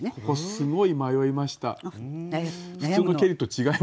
ここすごい迷いました。